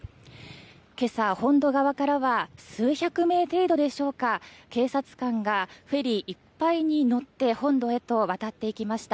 今朝、本土側からは数百名程度でしょうか警察官がフェリーいっぱいに乗って本土へと渡っていきました。